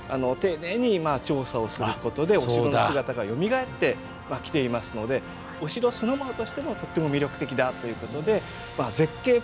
丁寧に調査をすることでお城の姿がよみがえってきていますのでお城そのものとしてもとっても魅力的だということで絶景